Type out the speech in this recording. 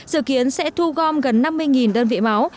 dự kiến sẽ thu gom gần năm mươi đơn vị máu